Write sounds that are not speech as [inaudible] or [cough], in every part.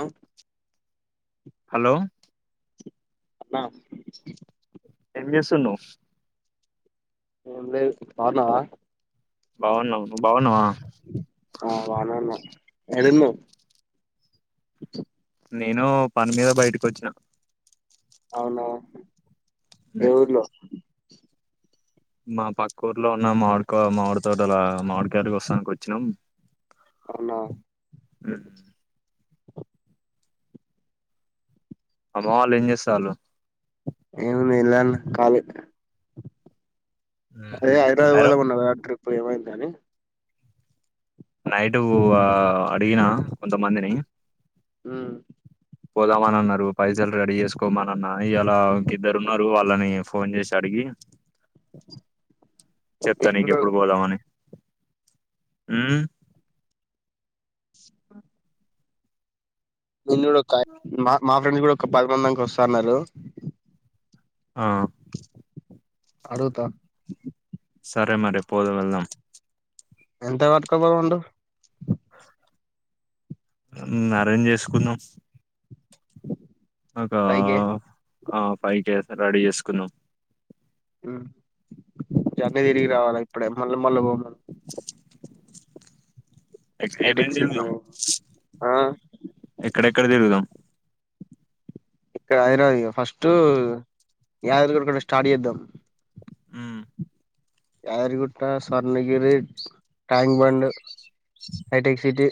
ఆ హలో అ ఎం చేస్తునావ్ ఏ లేదు బాగున్నావా బాగున్నం నవ్వు బాగున్నావా ఆ బానే ఉన్నా ఏడున్నవ్ నేను పని మీద బయటకొచ్చిన అవునా ఏ ఉమ్, ఊర్లో మా పక్క ఊర్లో ఉన్న మామిడికా మామిడి తోట అలా మాడూకైలు కోస్తాన్కొచ్చినం అవునా ఆ అమ్మ వాళ్ళు ఏం చేస్త ఆళ్ళు నేను మీలానే కాళీ అదే హైదరాబాద్ అరో పోదామన్నారు ఆ ట్రిప్ ఏమైందంది అని నైటు ఆ అడిగిన కొంతమందిని ఆ పోదామని అన్నారు పైసలు రెడీ చేస్కోమని అన్నా ఇయలా ఇకిద్దరు ఉన్నారు వాళ్ళని ఫోన్ చేసి అడిగి చెప్తా నేను కూడా నీకెప్పుడు పోదామని హ నిన్న ఒక మా మా ఫ్రెండ్స్ కూడా ఒక పది మందింకి వస్తున్నారు ఆ అడుగుతా సరే మరి పోదు వెళ్దాం ఎంత పట్టుకు పోమంటావ్ ఆన్రేంజ్ చేస్కుందాం ఒక ఫైవ్ కే ఆ ఫైవ్ కే రెడీ చేస్కున్నాం జల్ది తిరిగి రావాల ఇప్పుడే మళ్ళీ మళ్ళీ బొం ఎక్కేమ్మేం హైటెక్ సిటీ తిరుగుదాం ఆ ఎక్కడెక్కడ తిరుగుదాం ఎక్కడ హైదరాబాదుక ఫస్ట్ యాదరిగ కూడా స్టార్ట్ చేద్దాం ఆ యాదరి గుట్ట Swarnagiri Tank Bund hitech City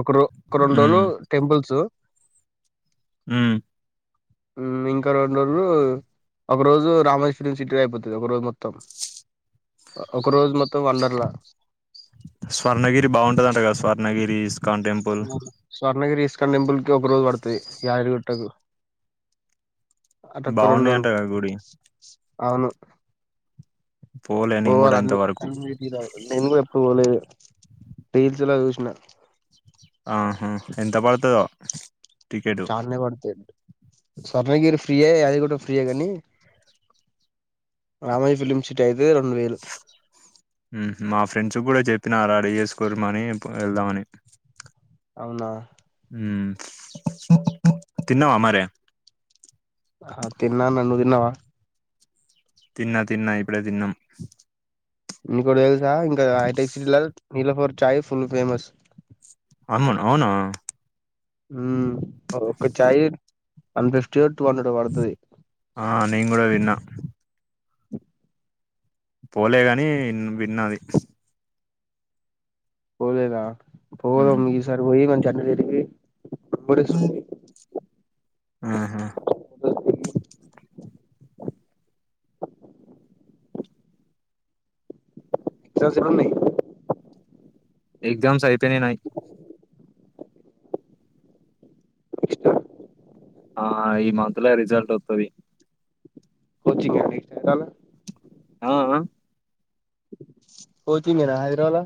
ఒక రో ఒక రెండు రోజులు మ్మ్ టెంపుల్స్ అ ఇంకా రెండు రోజులు ఒక రోజు రామోజీ ఫిల్మ్ సిటీ అయిపోతుది ఒక రోజు మొత్తం ఒక రోజు మొత్తం వండర్లా స్వర్ణగిరి బాగుంటదంటగా Swarnagiri ISKCON temple Swarnagiri ISKCON temple కి ఒక రోజు పడుతుంది యాయరిగుట్టకు అటక్క రెండు రోలు బాగున్నాయంట కదా గుడి అవును పోలే నేను పోవాలి కూడా అన్ని ఇంతవరకు అన్ని నేను కూడా ఎప్పుడు పోలేదు రీల్స్లా చూసినా ఆహా ఎంత పడుతుదో చాలనే పడతాయిడి స్వర్ణగిరి ఫ్రీయ యాదిగు ఫ్రీయ కాని రామోజీ ఫిలిమ్ సిటీ అయితే రెండు వేలు ఉహు మా ఫ్రెండ్స్ కూడా చెప్పిన రెడీ చేసుకోరు మని పొ వెళ్దామని అవునా ఉమ్ తిన్నావా మరే? ఆ తిన్నా నువ్ తిన్నావా? తిన్న తిన్నా ఇప్పుడే తిన్నాం ఇంకోటి తెలుసా ఇంకా హైటెక్ సిటీ లా నీల ఫోర్ ఛాయ్ ఫుల్ ఫేమస్ అమ్మను అవున ఉమ్ ఒక ఛాయ్ వన్ ఫిఫ్టీ టూ హండ్రెడ్ పడుతుది. ఆ నేను కూడా విన్నా పోలే గాని విన్నది పోలేదా ఉమ్. పోదాం మీసారి పోయి మ చన్న తిరిగిబస్తు ఆహా సేవ సిన్నునయ్ ఎగ్జామ్స్ అయిపోయినయ్ నాయ్ ఇష్ట ఆ ఈ మంత్ లో రిజల్ట్ వత్తది కొచింగ్ అండి ఇంగాల ఆ ఆ పోచింగేన హైదరావాల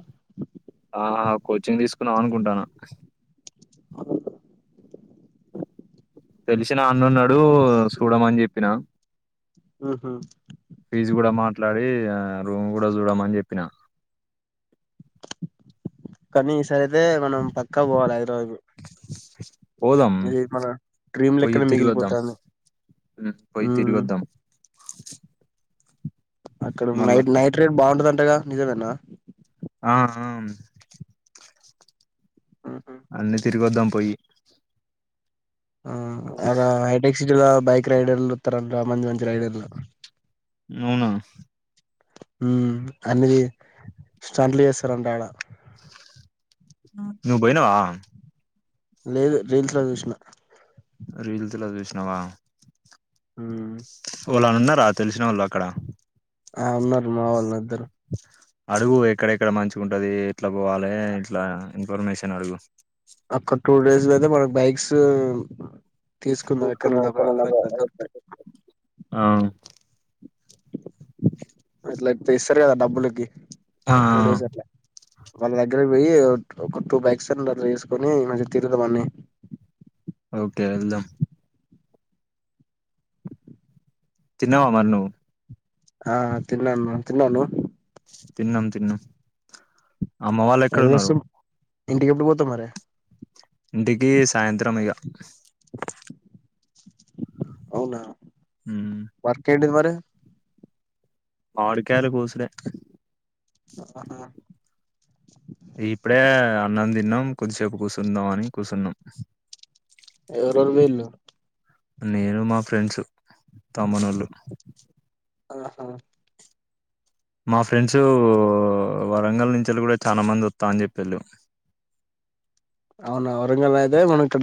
ఆహా కోచింగ్ తీసుకున్నాం అనుకుంటాను ఆ తెలిసిన అన్నున్నాడు చూడమని చెప్పిన ఆహా ఫీజ్ కూడా మాట్లాడి ఆ రూమ్ కూడా చూడమని చెప్పిన కానీ ఈ సారి అయితే మనం పక్కా పోవాలి హైదరాబాద్ ఆ పోదాం ఇది మన డ్రీమ్ పోయి లెక్కనే తిరుగుద్దాం, మిగిలిపోతాంది పోయి మ్మ్ తిరుగుద్దాం అక్కడ మళ్ళా నైట్ నైట్ రేట్ బాగుంటదంటగా నిజమేనా ఆహమ్ ఆహా అన్నీ తిరిగోద్దాం పోయి ఆ అడ హైటెక్ సిట్లా బైక్ రైడల్తార మంచి మంచి రైడర్లు అవునా హ అన్నది స్టంట్లు చేస్తారంట ఆడ నువ్ పోయినవ? లేదు రీల్స్ లో చూసిన రీల్స్లా చూసినావా ఆ ఓ లన ఉన్నారా తెలిసిన వాళ్ళు అక్కడ ఆ ఉన్నారు మా వాళ్ళు ఇద్దరు అడుగు ఎక్కడెక్కడ మంచిగా ఉంటది ఎట్లా పోవాలి ఇట్లా ఇన్ఫర్మేషన్ అడుగు ఒక్క టూ డేస్కి అయితే మనకు బైక్స్ తీసుకుందాం ఎక్కడన్నా ఒక తెూసుకున్నతే నాకు అట్లా దొరుకుతాయి [unintelligible] ఆ లేకపోతే ఇస్తారు కదా డబ్బులుకి టూ డేస్ అట్లా వాళ్ళ దగ్గరకి పోయి ఒక టూ బైక్స్ అన్న తీసుకొని మంచిగ తిరుగుదామని ఓకే ఎల్దాం తిన్నావా మరి నువ్వు ఆ తిన్నా అన్న తిన్నావా నువ్వు తిన్నం తిన్నం ఎ వసం ఇంటికి ఎప్పుడు పోతావ్ మరి ఇంటికి సాయంత్రం ఇక అవునా మ్మ్ వర్క్ ఏంటిది మరి మామిడి కాయలు కోసుడే ఆహా ఇప్పుడే అన్నం తిన్నాం కొద్దిసేపు కూర్చుందాం అని కూర్చున్నాం ఎవరెవరు పోయిరు నేను మా ఫ్రెండ్స్ తమ్మునళ్ళు ఆహా మా ఫ్రెండ్స్ వరంగల్ నుంచల్లి కూడా చాలా మంది వస్తా అని చెప్పిళ్ళు అవునా వరంగల్ అయితే మనం ఇక్కడ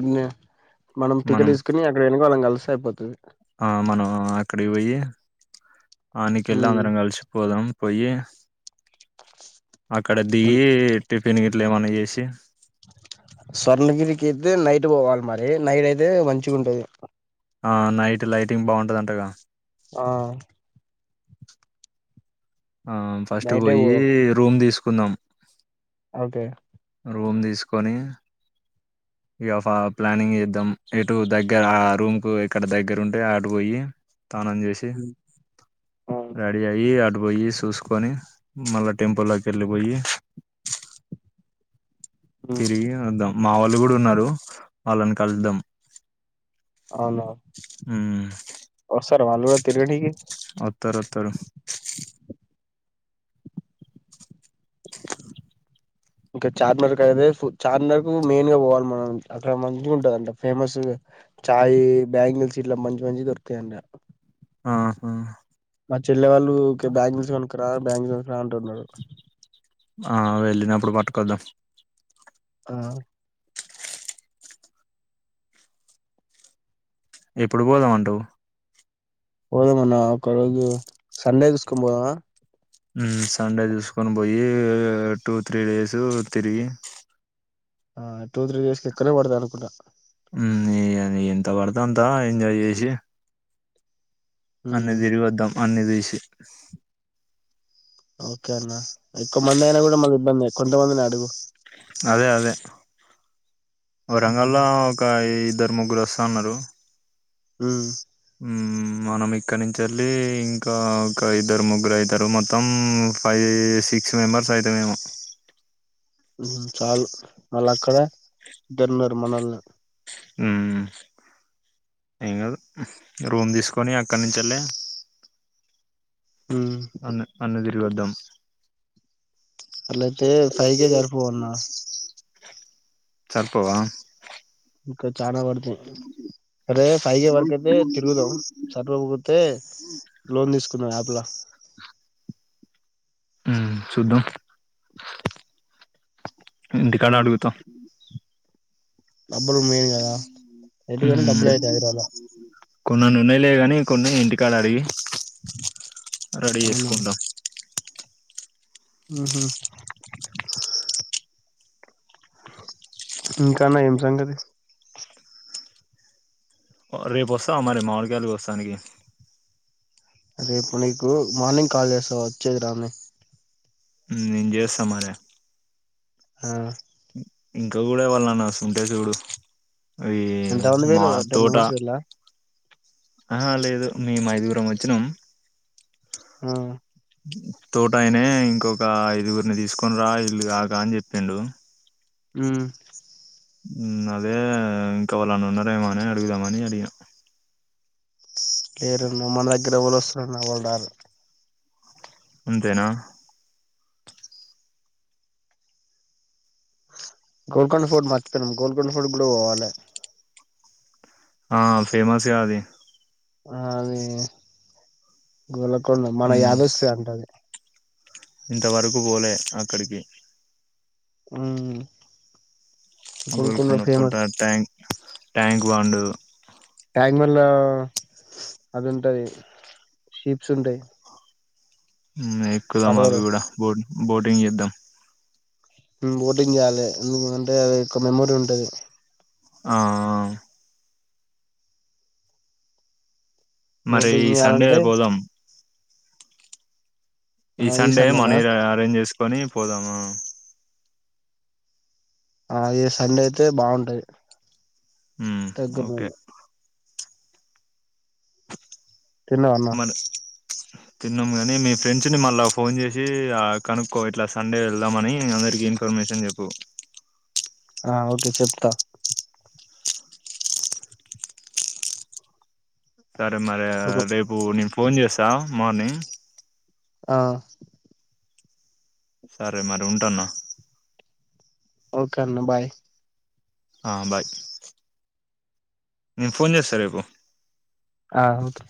మనం టికెట్ తీసుకుని అక్కడ వెనుకోవళ్ళం కలిస్తే అయిపోతది ఆ మనం అక్కడికి పోయి ఆయనకి వెళ్ళి అందరం ఉమ్ కలిసి పోదాం పోయి అక్కడ దిగి టిఫిన్ గిట్లా ఏమన్నా చేసి స్వర్ణగిరికి అయితే నైట్ పోవాలి మరి నైట్ అయితే మంచిగా ఉంటది ఆ నైట్ లైటింగ్ బాగుంటది అంటగా ఆ ఆ ఫస్ట్ నైటే పోయి పోదాం రూమ్ తీసుకుందాం ఓకే రూమ్ తీసుకొని ఇక ప్లానింగ్ చేద్దాం ఇటు దగ్గర ఆ రూమ్ కు ఇక్కడ దగ్గర ఉంటే అటు పోయి తానమ్ చేసి ర రేడీ అయి అటు పోయి చూసుకొని మళ్ళా టెంపుల్ లోకి వెళ్ళిపోయి తిరిగి వద్దాం మా వాళ్ళు కూడా ఉన్నారు వాళ్ళని కలుద్దాం అవున ఉమ్ వస్తారా వాళ్ళు కూడా తిరిగనీకి వత్తర్ వత్తరు ఇంకా చార్మినర్ అయితే చార్మినర్ కు మెయిన్ గా పోవాలి మనం అక్కడ మంచిగా ఉంటదంట ఫేమస్ చాయ్ బ్యాంగిల్స్ ఇట్లా మంచి మంచిగా దొరుకుతాయంట ఆహా మా చెల్లి వాళ్ళు ఊకె బ్యాంగిల్స్ కొనుక్కరా బ్యాంగిల్స్ కొనుక్కరా అంటున్నారు ఆ వెళ్ళినప్పుడు పట్టుకొద్దాం ఆ ఎప్పుడు పోదాం అంటావ్ పోదం అన్న ఒక రోజు సండే చూసుకొని పోదామా ఉ సండే చూసుకొని పోయి టూ త్రీ డేస్ తిరిగి ఆ టూ త్రీ డేస్కి ఎక్కవ నే పడతాదనుకుంటా హ్మ్ ఎ ఆది ఎంత పడుతే అంత ఎంజాయ్ చేసి అన్నీ ఉమ్ తిరిగి వోద్దాం అన్ని చూసి ఓకే అన్న ఎక్కువ మంది అయినా కూడా మల్లా ఇబ్బందే కొంతమందిని అడుగు అదే అదే ఉమ్ వరంగల్ లో ఒక ఇద్దరు ముగ్గురు వస్తా అన్నారు హ్మ్ హ్మ్ మనం ఇక్కడి నుంచాలి ఇంకా ఇద్దరు ముగ్గురు అయితారు మొత్తం ఫైవ్ సిక్స్ మెంబర్స్ అయితరేమో చాలు మళ్ళ అక్కడ ఇద్దరున్నారు మనోళ్ళు హ్మ్ ఏంగాదు రూమ్ తీసుకొని అక్కడి నుంచెల్లి హుం అన్ అన్నీ తిరిగిఓద్దాం అట్లయితే ఫైవ్ కే సరిపోవన్నా సరిపోవా ఇంకా చానా పడుతయి అరే ఫైయే వర్కతే తిరుగుదాం సరిపోకపోతే లోన్ తీసుకుందాం యాప్ లో హ్మ్ చూదాం ఇంటి కాడ మనం అడుగుత డబ్బులు మెయిన్ కదా ఎటుపోయినా డబ్బులు అయితయి హైదరాబాద్ లా కొన్నన్నీన్నాయలే కాని కొన్ని ఇంటికాడ అడిగి రెడీ అవునా చేసుకుంటాం ఉ హు ఇంకాన్నా ఏం సంగతి రేపు వస్తావ మరి మామిడిగాయలు కోస్తానికి రేపు నీకు మార్నింగ్ కాల్ చేస్తా వచ్చేది రాంధీ నింజేస్తమరే ఆ ఇంకా గుడా వాళ్ళ న వస్తు ఉంటే చూడు అయ్యి ఈ ఎంతమంది మా పోయిల్లు టెన్ తోట మెంబర్స్ పోయిల్లా ఆ లేదు మేము ఐదుగురం వచ్చినాం ఆ తోటయినే ఇంకొక ఐదుగురిని తీసుకొని రా ఇల్లు గాక అని చెప్పిండు ఉ హ్మ్ అదే ఇంకోవళ్ళన్నన్నరేమనే అడుగుదామ అని అడిగిన లేరన్న మన దగ్గర ఎవలోస్తరన్నా ఎవరార్ ఉంతేనా గోల్కొండ ఫోర్డ్ మర్చిపోనా గోల్కొండ ఫోర్డ్ గుడా పోవాలే ఆ ఫేమస్గా అది ఆ అది గోళకొండ మన యాదోస్ అంటది ఇంతవరకు పోలే అక్కడికి హ్మ్ గోల్కొన్న కోట ట్యాంక్ ట్యాంక్ బాండు ట్యాంగ్ బండ్ల అది ఉంటది షీప్స్ ఉంటయి హ్మ్ ఎక్కుదాం అవి పడవలు కూడా బోట్ బోటింగ్ చేద్దాం ఉమ్ బోటింగ్ చేయాలి ఎందుకంటే అది ఒక్క మెమోరీ ఉంటది ఆ మరి బోటింగ్ ఈ సండే చేయాలంటే పోదాం ఈ ఆ సండే సండేనా మనీ రా అరేంజ్ చేసుకొని పోదాము ఆ ఈ సండే అయితే బావుంటది తగ్గ ఓకే [unintelligible] తిన్నావా అన్న మన తిన్నాము కానీ మీ ఫ్రెండ్స్ని మళ్ళా ఫోన్ చేసి ఆ కనుక్కో ఇట్లా సండే ఎళ్దామని అందరికీ ఇన్ ఇన్ఫర్మేషన్ చెప్పు ఆ ఓకే చెప్తా సరే మరి ఒక రేపు నేను ఫోన్ చేస్సా మార్నింగ్ ఆ సరే మరి ఉంటన్న ఓకె అన్న బాయ్ ఆ బాయ్ నేను ఫోన్ చేస్తా రేపు ఆ ఓకే